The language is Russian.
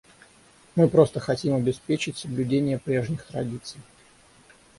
Мы просто хотим обеспечить соблюдение прежних традиций.